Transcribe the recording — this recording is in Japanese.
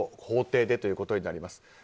法廷でということになります。